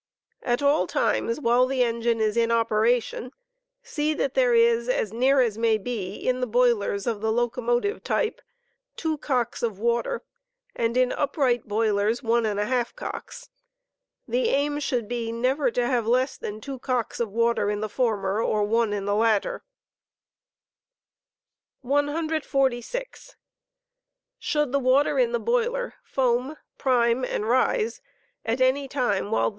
At all times, while the engine is in operation, see that there is, as near as ^ Quantity of may be, in boilers of the locomotive type, two cocks of water, and in upright boilers w * one and a half cocks. The aim should be never to have less than two cocks of water in the former or one in the latter. 146. Should the water in the boiler foam, prime, and rise at any time while the *<»»ing.